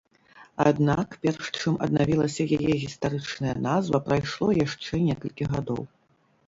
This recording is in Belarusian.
Аднак перш чым аднавілася яе гістарычная назва прайшло яшчэ некалькі гадоў.